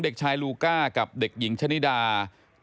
พบหน้าลูกแบบเป็นร่างไร้วิญญาณ